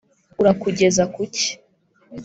urakugeza kuki